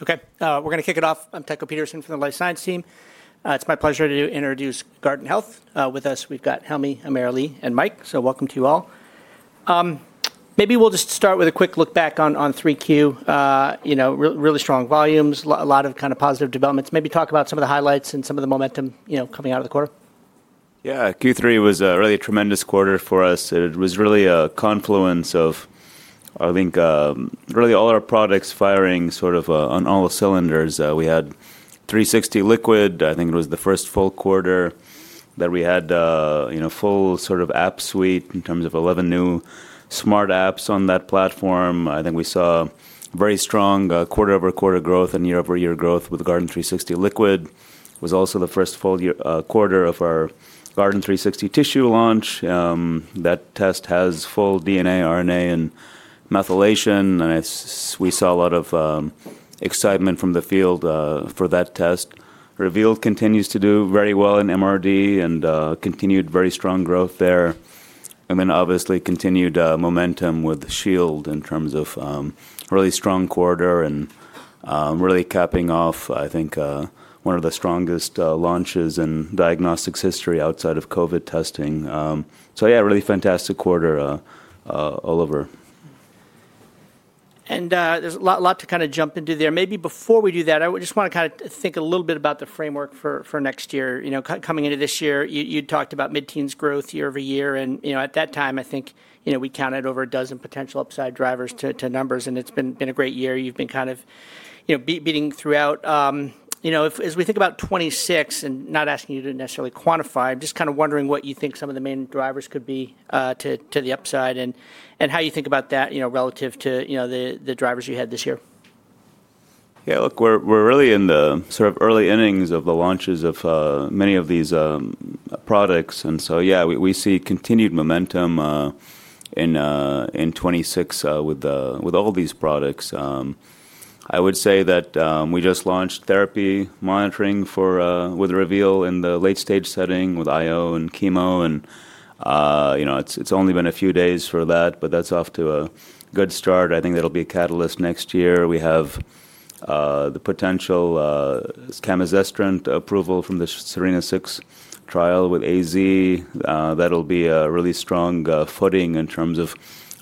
Okay, we're going to kick it off. I'm Tycho Peterson from the Life Science team. It's my pleasure to introduce Guardant Health. With us, we've got Helmy, AmirAli, and Mike. Welcome to you all. Maybe we'll just start with a quick look back on Q3. You know, really strong volumes, a lot of kind of positive developments. Maybe talk about some of the highlights and some of the momentum, you know, coming out of the quarter. Yeah, Q3 was really a tremendous quarter for us. It was really a confluence of, I think, really all our products firing sort of on all the cylinders. We had 360 Liquid. I think it was the first full quarter that we had, you know, full sort of app suite in terms of 11 new smart apps on that platform. I think we saw very strong quarter-over-quarter growth and year-over-year growth with Guardant 360 Liquid. It was also the first full quarter of our Guardant 360 Tissue launch. That test has full DNA, RNA, and methylation. And we saw a lot of excitement from the field for that test. Reveal continues to do very well in MRD and continued very strong growth there. Obviously, continued momentum with Shield in terms of really strong quarter and really capping off, I think, one of the strongest launches in diagnostics history outside of COVID testing. Yeah, really fantastic quarter, Oliver. There is a lot to kind of jump into there. Maybe before we do that, I just want to kind of think a little bit about the framework for next year. You know, coming into this year, you talked about mid-teens growth year over year. And, you know, at that time, I think, you know, we counted over a dozen potential upside drivers to numbers. It has been a great year. You have been kind of, you know, beating throughout. You know, as we think about 2026, and not asking you to necessarily quantify, I am just kind of wondering what you think some of the main drivers could be to the upside and how you think about that, you know, relative to, you know, the drivers you had this year. Yeah, look, we're really in the sort of early innings of the launches of many of these products. Yeah, we see continued momentum in 2026 with all these products. I would say that we just launched therapy monitoring with Reveal in the late-stage setting with IO and chemo. You know, it's only been a few days for that, but that's off to a good start. I think that'll be a catalyst next year. We have the potential chemosestrant approval from the Serena 6 trial with AstraZeneca. That'll be a really strong footing in terms of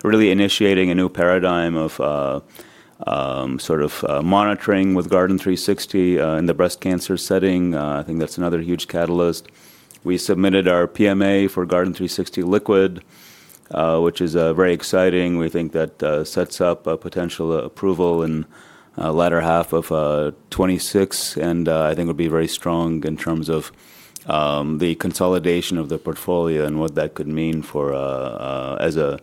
really initiating a new paradigm of sort of monitoring with Guardant 360 in the breast cancer setting. I think that's another huge catalyst. We submitted our PMA for Guardant 360 Liquid, which is very exciting. We think that sets up a potential approval in the latter half of 2026. I think it would be very strong in terms of the consolidation of the portfolio and what that could mean as a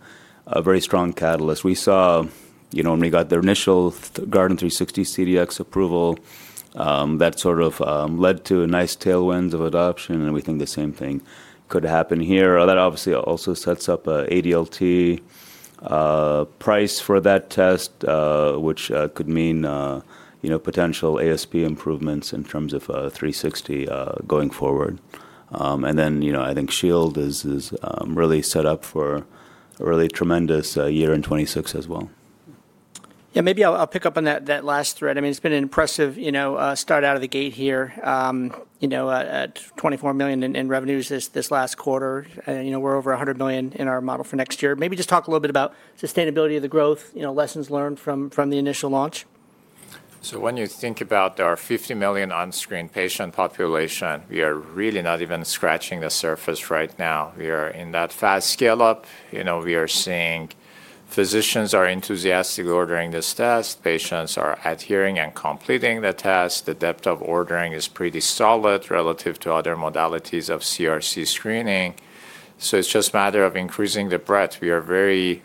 very strong catalyst. We saw, you know, when we got the initial Guardant 360 CDX approval, that sort of led to nice tailwinds of adoption. We think the same thing could happen here. That obviously also sets up ADLT price for that test, which could mean, you know, potential ASP improvements in terms of 360 going forward. I think Shield is really set up for a really tremendous year in 2026 as well. Yeah, maybe I'll pick up on that last thread. I mean, it's been an impressive, you know, start out of the gate here, you know, at $24 million in revenues this last quarter. You know, we're over $100 million in our model for next year. Maybe just talk a little bit about sustainability of the growth, you know, lessons learned from the initial launch. When you think about our $50 million on-screen patient population, we are really not even scratching the surface right now. We are in that fast scale-up. You know, we are seeing physicians are enthusiastically ordering this test. Patients are adhering and completing the test. The depth of ordering is pretty solid relative to other modalities of CRC screening. It is just a matter of increasing the breadth. We are very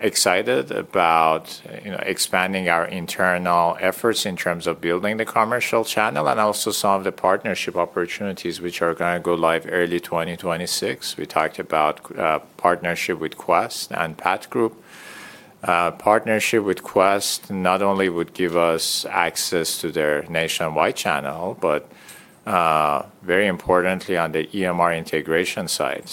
excited about, you know, expanding our internal efforts in terms of building the commercial channel and also some of the partnership opportunities which are going to go live early 2026. We talked about partnership with Quest and PathGroup. Partnership with Quest not only would give us access to their nationwide channel, but very importantly on the EMR integration side.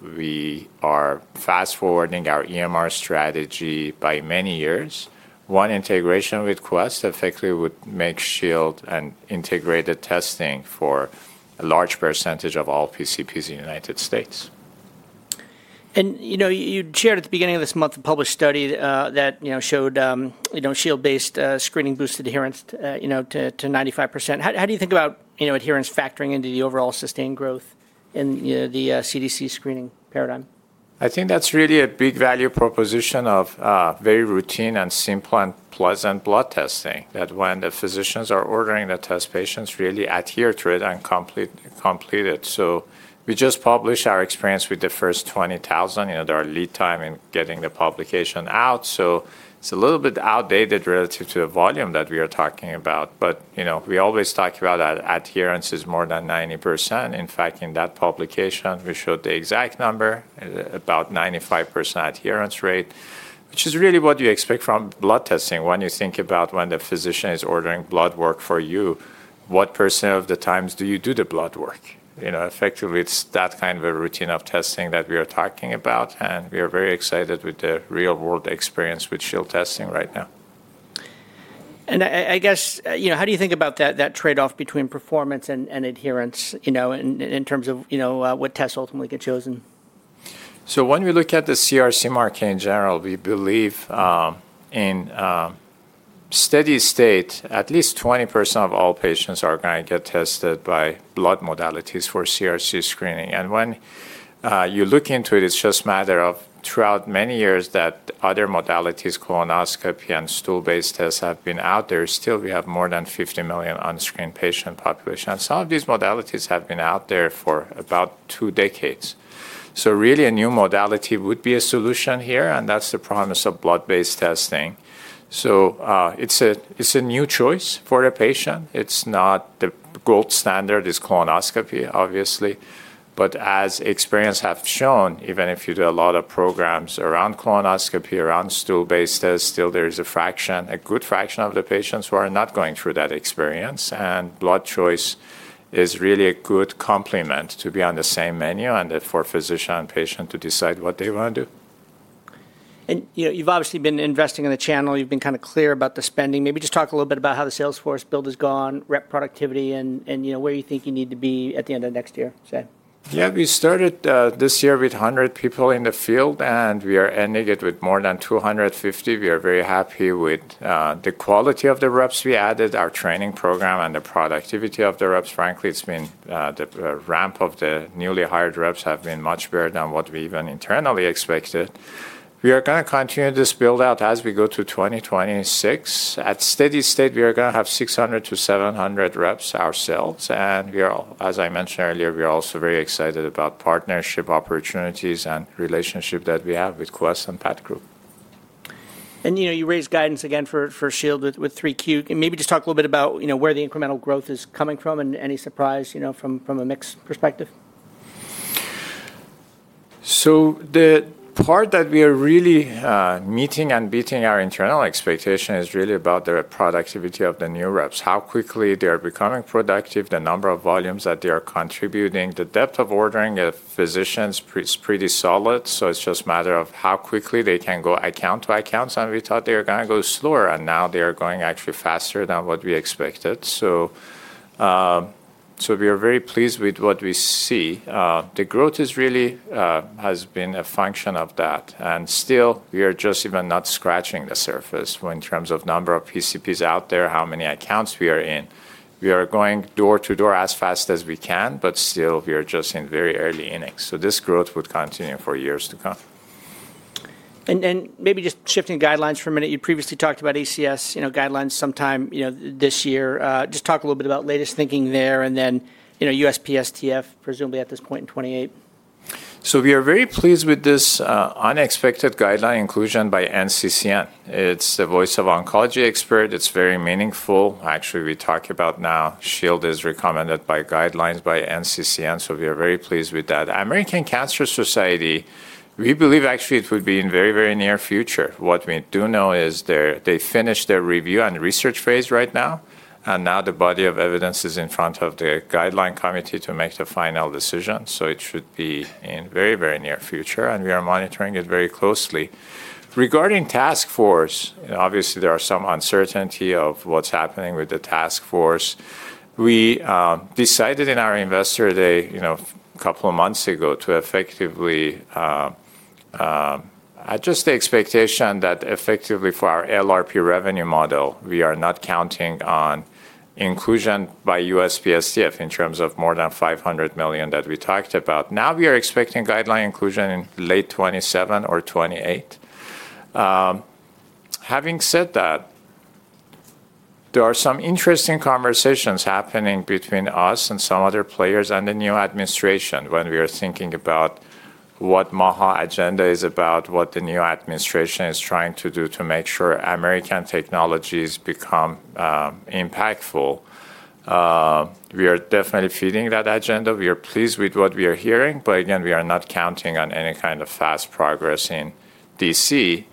We are fast-forwarding our EMR strategy by many years. One integration with Quest effectively would make Shield an integrated testing for a large percentage of all PCPs in the United States. You know, you shared at the beginning of this month a published study that, you know, showed, you know, Shield-based screening boosted adherence, you know, to 95%. How do you think about, you know, adherence factoring into the overall sustained growth in the CDC screening paradigm? I think that's really a big value proposition of very routine and simple and pleasant blood testing that when the physicians are ordering the test, patients really adhere to it and complete it. We just published our experience with the first 20,000, you know, their lead time in getting the publication out. It is a little bit outdated relative to the volume that we are talking about. You know, we always talk about adherence is more than 90%. In fact, in that publication, we showed the exact number, about 95% adherence rate, which is really what you expect from blood testing. When you think about when the physician is ordering blood work for you, what percent of the times do you do the blood work? You know, effectively, it's that kind of a routine of testing that we are talking about. We are very excited with the real-world experience with Shield testing right now. I guess, you know, how do you think about that trade-off between performance and adherence, you know, in terms of, you know, what tests ultimately get chosen? When we look at the CRC market in general, we believe in steady state, at least 20% of all patients are going to get tested by blood modalities for CRC screening. When you look into it, it's just a matter of throughout many years that other modalities, colonoscopy and stool-based tests have been out there. Still, we have more than 50 million on-screen patient population. Some of these modalities have been out there for about two decades. Really a new modality would be a solution here. That's the promise of blood-based testing. It's a new choice for a patient. The gold standard is colonoscopy, obviously. As experience has shown, even if you do a lot of programs around colonoscopy, around stool-based tests, still there is a fraction, a good fraction of the patients who are not going through that experience. Blood choice is really a good complement to be on the same menu and for physician and patient to decide what they want to do. You know, you've obviously been investing in the channel. You've been kind of clear about the spending. Maybe just talk a little bit about how the Salesforce build has gone, rep productivity, and, you know, where you think you need to be at the end of next year. Say. Yeah, we started this year with 100 people in the field, and we are ending it with more than 250. We are very happy with the quality of the reps we added, our training program, and the productivity of the reps. Frankly, it's been the ramp of the newly hired reps has been much better than what we even internally expected. We are going to continue this build-out as we go to 2026. At steady state, we are going to have 600-700 reps ourselves. We are, as I mentioned earlier, also very excited about partnership opportunities and the relationship that we have with Quest Diagnostics and PathGroup. You know, you raised guidance again for Shield with 3Q. Maybe just talk a little bit about, you know, where the incremental growth is coming from and any surprise, you know, from a mix perspective. The part that we are really meeting and beating our internal expectation is really about the productivity of the new reps, how quickly they are becoming productive, the number of volumes that they are contributing. The depth of ordering of physicians is pretty solid. It is just a matter of how quickly they can go account to accounts. We thought they were going to go slower, and now they are going actually faster than what we expected. We are very pleased with what we see. The growth really has been a function of that. Still, we are just even not scratching the surface in terms of number of PCPs out there, how many accounts we are in. We are going door-to-door as fast as we can, but still we are just in very early innings. This growth would continue for years to come. Maybe just shifting guidelines for a minute. You previously talked about ACS, you know, guidelines sometime, you know, this year. Just talk a little bit about latest thinking there and then, you know, USPSTF presumably at this point in 2028. We are very pleased with this unexpected guideline inclusion by NCCN. It's the voice of oncology experts. It's very meaningful. Actually, we talk about now Shield is recommended by guidelines by NCCN. We are very pleased with that. American Cancer Society, we believe actually it would be in very, very near future. What we do know is they finished their review and research phase right now. Now the body of evidence is in front of the guideline committee to make the final decision. It should be in very, very near future. We are monitoring it very closely. Regarding task force, obviously there is some uncertainty of what's happening with the task force. We decided in our investor day, you know, a couple of months ago to effectively, at just the expectation that effectively for our LRP revenue model, we are not counting on inclusion by USPSTF in terms of more than $500 million that we talked about. Now we are expecting guideline inclusion in late 2027 or 2028. Having said that, there are some interesting conversations happening between us and some other players and the new administration when we are thinking about what MAHA agenda is about, what the new administration is trying to do to make sure American technologies become impactful. We are definitely feeding that agenda. We are pleased with what we are hearing. Again, we are not counting on any kind of fast progress in D.C.,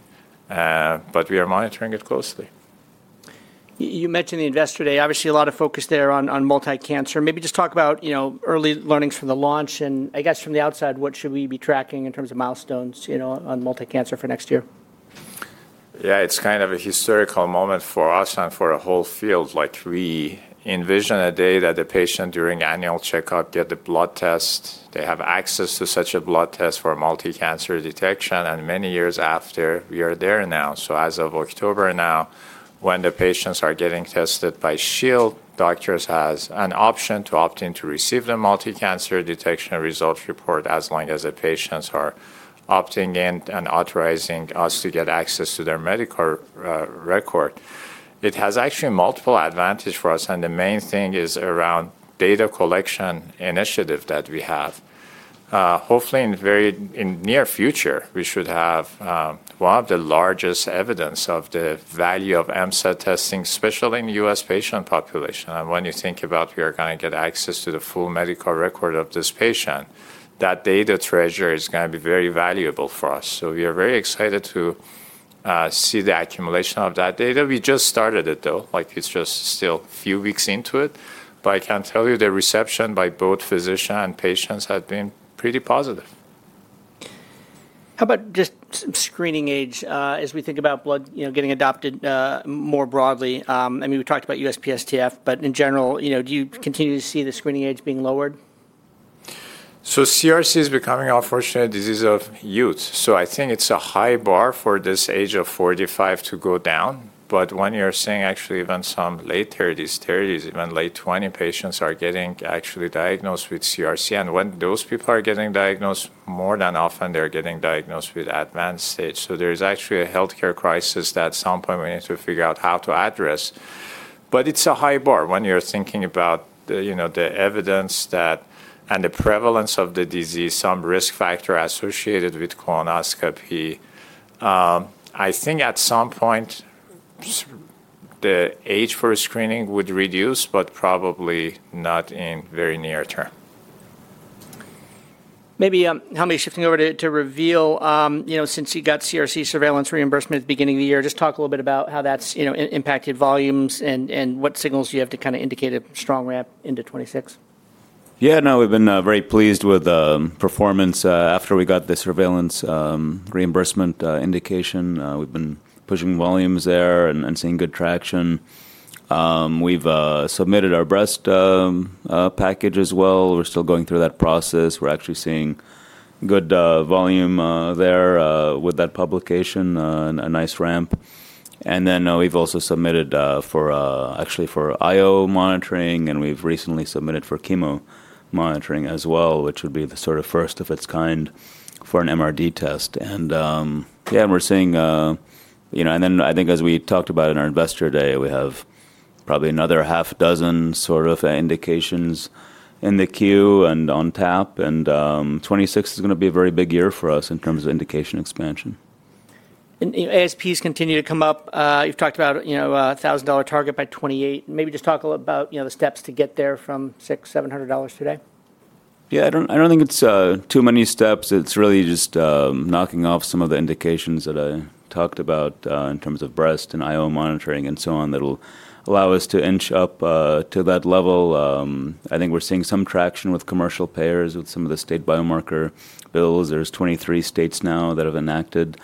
but we are monitoring it closely. You mentioned the investor day. Obviously, a lot of focus there on multi-cancer. Maybe just talk about, you know, early learnings from the launch. I guess from the outside, what should we be tracking in terms of milestones, you know, on multi-cancer for next year? Yeah, it's kind of a historical moment for us and for the whole field. Like we envision a day that the patient during annual checkup gets the blood test. They have access to such a blood test for multi-cancer detection. And many years after, we are there now. As of October now, when the patients are getting tested by Shield, doctors have an option to opt in to receive the multi-cancer detection results report as long as the patients are opting in and authorizing us to get access to their medical record. It has actually multiple advantages for us. The main thing is around data collection initiative that we have. Hopefully in the very near future, we should have one of the largest evidence of the value of MSAT testing, especially in the U.S. patient population. When you think about we are going to get access to the full medical record of this patient, that data treasure is going to be very valuable for us. We are very excited to see the accumulation of that data. We just started it though. Like it's just still a few weeks into it. I can tell you the reception by both physicians and patients has been pretty positive. How about just screening age as we think about blood, you know, getting adopted more broadly? I mean, we talked about USPSTF, but in general, you know, do you continue to see the screening age being lowered? CRC is becoming a fortunate disease of youth. I think it's a high bar for this age of 45 to go down. When you're seeing actually even some late 30s, 30s, even late 20 patients are getting actually diagnosed with CRC. When those people are getting diagnosed, more than often they're getting diagnosed with advanced stage. There is actually a healthcare crisis that at some point we need to figure out how to address. It's a high bar when you're thinking about, you know, the evidence and the prevalence of the disease, some risk factor associated with colonoscopy. I think at some point the age for screening would reduce, but probably not in very near term. Maybe Helmy, shifting over to Reveal, you know, since you got CRC surveillance reimbursement at the beginning of the year, just talk a little bit about how that's, you know, impacted volumes and what signals you have to kind of indicate a strong ramp into 2026. Yeah, no, we've been very pleased with the performance after we got the surveillance reimbursement indication. We've been pushing volumes there and seeing good traction. We've submitted our breast package as well. We're still going through that process. We're actually seeing good volume there with that publication, a nice ramp. We've also submitted for IO monitoring, and we've recently submitted for chemo monitoring as well, which would be the sort of first of its kind for an MRD test. Yeah, I think as we talked about in our investor day, we have probably another half dozen sort of indications in the queue and on tap. 2026 is going to be a very big year for us in terms of indication expansion. ASPs continue to come up. You've talked about, you know, a $1,000 target by 2028. Maybe just talk a little about, you know, the steps to get there from $600-$700 today. Yeah, I don't think it's too many steps. It's really just knocking off some of the indications that I talked about in terms of breast and IO monitoring and so on that will allow us to inch up to that level. I think we're seeing some traction with commercial payers with some of the state biomarker bills. There's 23 states now that have enacted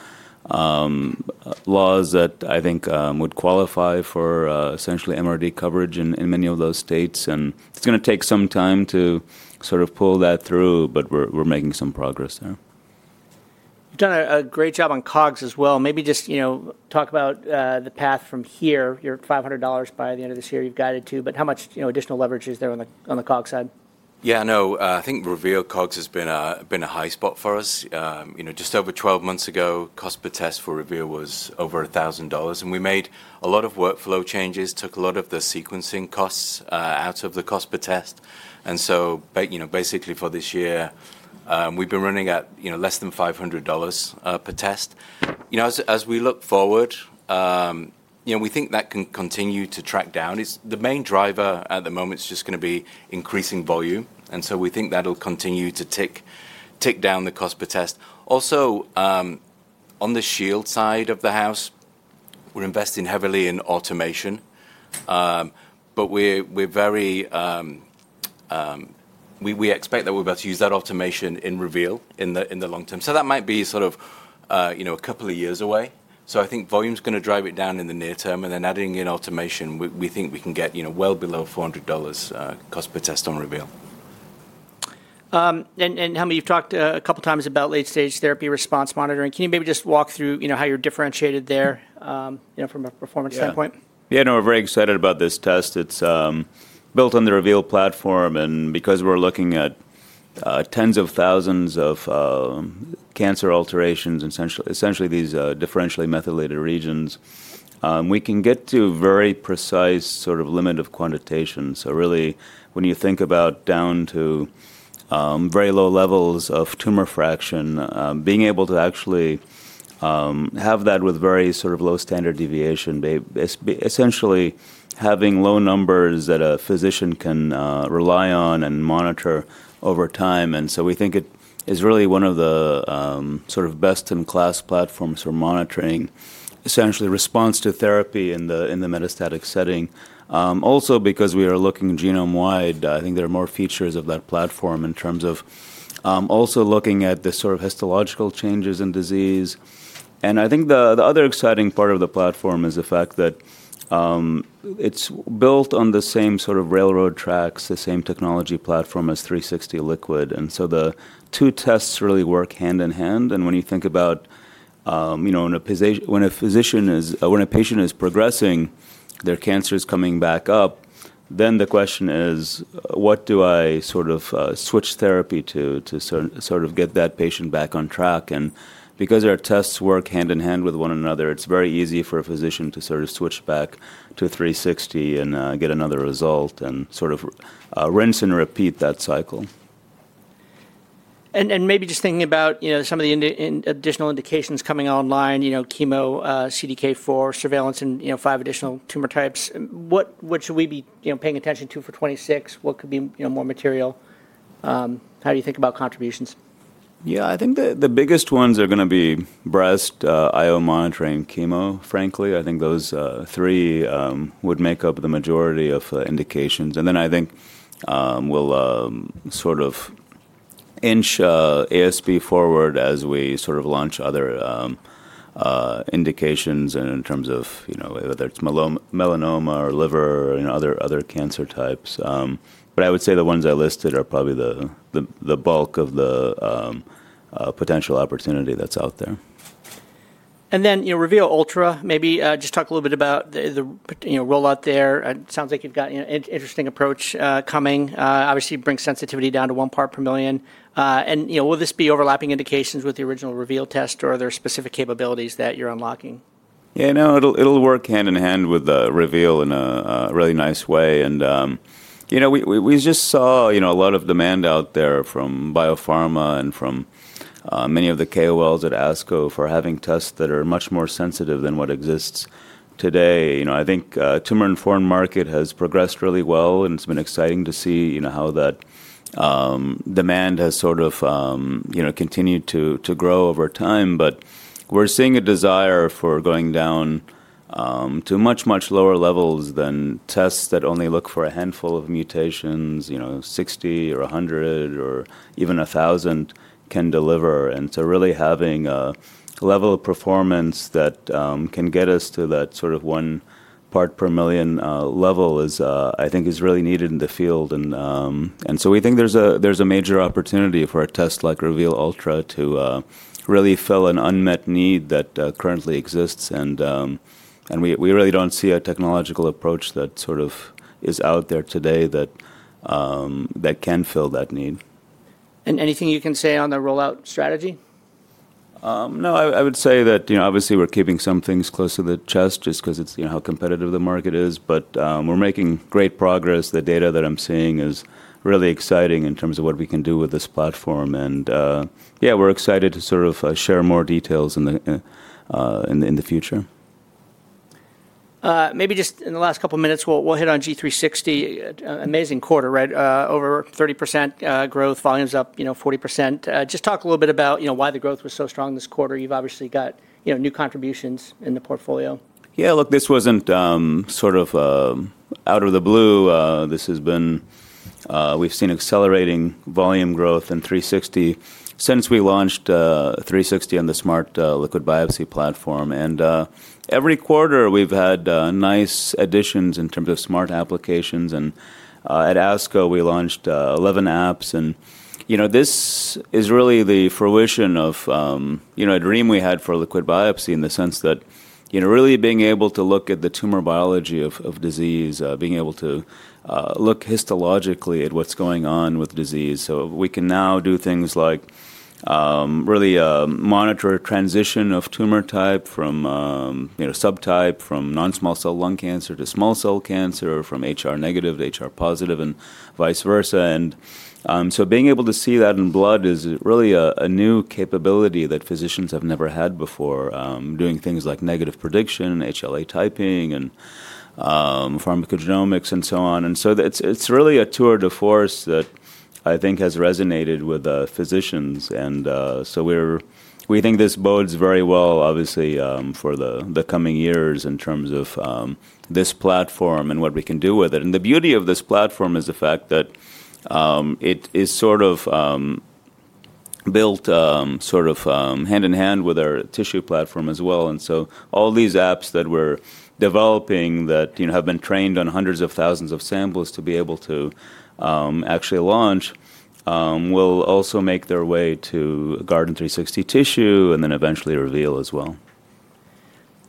laws that I think would qualify for essentially MRD coverage in many of those states. It's going to take some time to sort of pull that through, but we're making some progress there. You've done a great job on COGS as well. Maybe just, you know, talk about the path from here. You're $500 by the end of this year. You've guided to, but how much, you know, additional leverage is there on the COGS side? Yeah, no, I think Reveal COGS has been a high spot for us. You know, just over 12 months ago, COGS per test for Reveal was over $1,000. And we made a lot of workflow changes, took a lot of the sequencing costs out of the COGS per test. And so, you know, basically for this year, we've been running at, you know, less than $500 per test. You know, as we look forward, you know, we think that can continue to track down. The main driver at the moment is just going to be increasing volume. And we think that'll continue to tick down the COGS per test. Also, on the Shield side of the house, we're investing heavily in automation. We expect that we're about to use that automation in Reveal in the long term. That might be sort of, you know, a couple of years away. I think volume is going to drive it down in the near term. Then adding in automation, we think we can get, you know, well below $400 COGS per test on Reveal. Helmy, you've talked a couple of times about late-stage therapy response monitoring. Can you maybe just walk through, you know, how you're differentiated there, you know, from a performance standpoint? Yeah, no, we're very excited about this test. It's built on the Reveal platform. And because we're looking at tens of thousands of cancer alterations in essentially these differentially methylated regions, we can get to very precise sort of limit of quantitation. So really, when you think about down to very low levels of tumor fraction, being able to actually have that with very sort of low standard deviation, essentially having low numbers that a physician can rely on and monitor over time. We think it is really one of the sort of best-in-class platforms for monitoring essentially response to therapy in the metastatic setting. Also because we are looking genome-wide, I think there are more features of that platform in terms of also looking at the sort of histological changes in disease. I think the other exciting part of the platform is the fact that it's built on the same sort of railroad tracks, the same technology platform as 360 Liquid. The two tests really work hand in hand. When you think about, you know, when a physician is, when a patient is progressing, their cancer is coming back up, then the question is, what do I sort of switch therapy to sort of get that patient back on track? Because our tests work hand in hand with one another, it's very easy for a physician to sort of switch back to 360 and get another result and sort of rinse and repeat that cycle. Maybe just thinking about, you know, some of the additional indications coming online, you know, chemo, CDK4 surveillance and, you know, five additional tumor types. What should we be, you know, paying attention to for 2026? What could be, you know, more material? How do you think about contributions? Yeah, I think the biggest ones are going to be breast, IO monitoring, chemo, frankly. I think those three would make up the majority of indications. I think we'll sort of inch ASP forward as we sort of launch other indications in terms of, you know, whether it's melanoma or liver and other cancer types. I would say the ones I listed are probably the bulk of the potential opportunity that's out there. You know, Reveal Ultra, maybe just talk a little bit about the, you know, rollout there. It sounds like you've got an interesting approach coming. Obviously, it brings sensitivity down to one part per million. You know, will this be overlapping indications with the original Reveal test or are there specific capabilities that you're unlocking? Yeah, no, it'll work hand in hand with Reveal in a really nice way. And, you know, we just saw, you know, a lot of demand out there from biopharma and from many of the KOLs at ASCO for having tests that are much more sensitive than what exists today. You know, I think tumor-informed market has progressed really well. And it's been exciting to see, you know, how that demand has sort of, you know, continued to grow over time. But we're seeing a desire for going down to much, much lower levels than tests that only look for a handful of mutations, you know, 60 or 100 or even 1,000 can deliver. And so really having a level of performance that can get us to that sort of one part per million level is, I think, is really needed in the field. We think there is a major opportunity for a test like Reveal Ultra to really fill an unmet need that currently exists. We really do not see a technological approach that is out there today that can fill that need. Anything you can say on the rollout strategy? No, I would say that, you know, obviously we're keeping some things close to the chest just because it's, you know, how competitive the market is. We're making great progress. The data that I'm seeing is really exciting in terms of what we can do with this platform. Yeah, we're excited to sort of share more details in the future. Maybe just in the last couple of minutes, we'll hit on G360. Amazing quarter, right? Over 30% growth, volumes up, you know, 40%. Just talk a little bit about, you know, why the growth was so strong this quarter. You've obviously got, you know, new contributions in the portfolio. Yeah, look, this was not sort of out of the blue. This has been, we have seen accelerating volume growth in 360 since we launched 360 on the smart liquid biopsy platform. Every quarter we have had nice additions in terms of smart applications. At ASCO, we launched 11 apps. You know, this is really the fruition of, you know, a dream we had for liquid biopsy in the sense that, you know, really being able to look at the tumor biology of disease, being able to look histologically at what is going on with disease. We can now do things like really monitor transition of tumor type from, you know, subtype from non-small cell lung cancer to small cell cancer or from HR negative to HR positive and vice versa. Being able to see that in blood is really a new capability that physicians have never had before, doing things like negative prediction, HLA typing, and pharmacogenomics and so on. It is really a tour de force that I think has resonated with physicians. We think this bodes very well, obviously, for the coming years in terms of this platform and what we can do with it. The beauty of this platform is the fact that it is sort of built sort of hand in hand with our tissue platform as well. All these apps that we're developing that, you know, have been trained on hundreds of thousands of samples to be able to actually launch will also make their way to Guardant 360 Tissue and then eventually Reveal as well.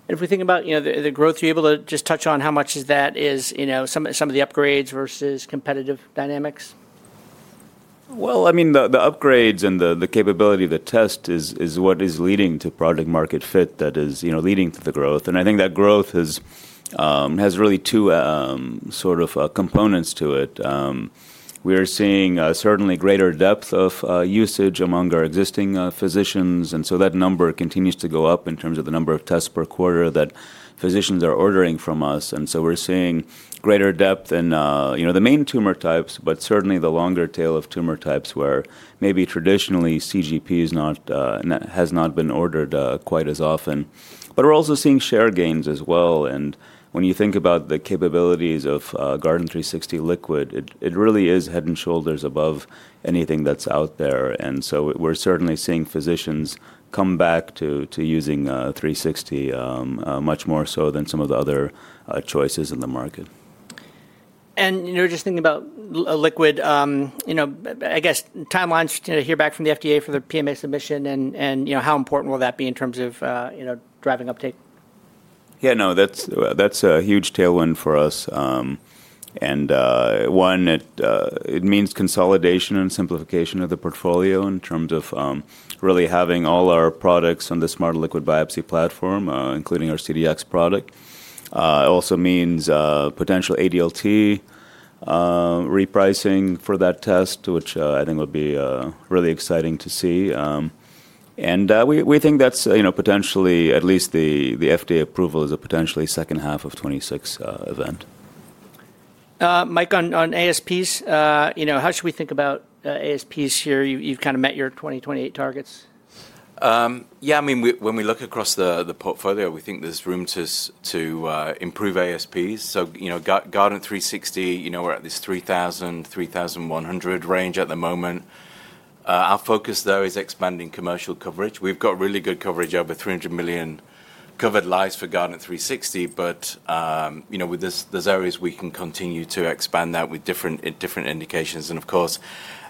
If we think about, you know, the growth, you're able to just touch on how much of that is, you know, some of the upgrades versus competitive dynamics? I mean, the upgrades and the capability of the test is what is leading to product-market fit that is, you know, leading to the growth. I think that growth has really two sort of components to it. We are seeing certainly greater depth of usage among our existing physicians. That number continues to go up in terms of the number of tests per quarter that physicians are ordering from us. We are seeing greater depth in, you know, the main tumor types, but certainly the longer tail of tumor types where maybe traditionally CGP has not been ordered quite as often. We are also seeing share gains as well. When you think about the capabilities of Guardant 360 Liquid, it really is head and shoulders above anything that's out there. We're certainly seeing physicians come back to using 360 much more so than some of the other choices in the market. You know, just thinking about liquid, you know, I guess timelines to hear back from the FDA for the PMA submission and, you know, how important will that be in terms of, you know, driving uptake? Yeah, no, that's a huge tailwind for us. One, it means consolidation and simplification of the portfolio in terms of really having all our products on the smart liquid biopsy platform, including our CDX product. It also means potential ADLT repricing for that test, which I think would be really exciting to see. We think that's, you know, potentially at least the FDA approval is a potentially second half of 2026 event. Mike, on ASPs, you know, how should we think about ASPs here? You've kind of met your 2028 targets. Yeah, I mean, when we look across the portfolio, we think there's room to improve ASPs. So, you know, Guardant 360, you know, we're at this $3,000-$3,100 range at the moment. Our focus, though, is expanding commercial coverage. We've got really good coverage, over 300 million covered lives for Guardant 360. But, you know, there's areas we can continue to expand that with different indications. And of course,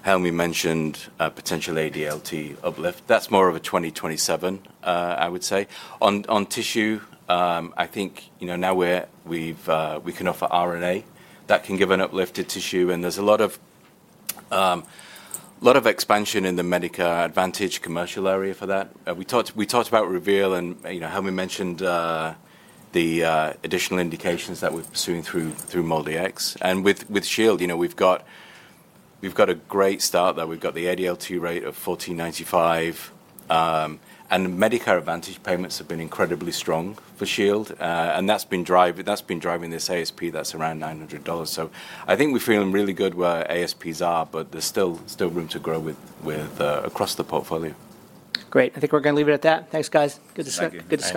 Helmy mentioned potential ADLT uplift. That's more of a 2027, I would say. On tissue, I think, you know, now we can offer RNA that can give an uplift to tissue. And there's a lot of expansion in the Medicare Advantage commercial area for that. We talked about Reveal and, you know, Helmy mentioned the additional indications that we're pursuing through MolDI-X. And with Shield, you know, we've got a great start there. We've got the ADLT rate of $1,495. Medicare Advantage payments have been incredibly strong for Shield. That has been driving this ASP that is around $900. I think we are feeling really good where ASPs are, but there is still room to grow across the portfolio. Great. I think we're going to leave it at that. Thanks, guys. Good to start.